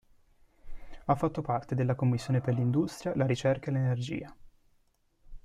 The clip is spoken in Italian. Ha fatto parte della commissione per l'industria, la ricerca e l'energia.